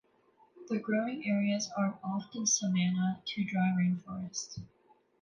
The growing areas are often savannah to dry rainforest.